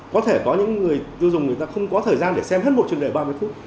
nếu người dùng người ta không có thời gian để xem hết một chương trình ba mươi phút